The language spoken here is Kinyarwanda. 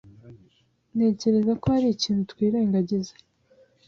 Ntekereza ko hari ikintu twirengagiza.